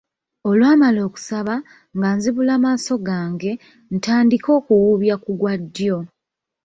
Olwamala okusaba, nga nzibula maaso gange, ntandike okuwubya ku gwa ddyo.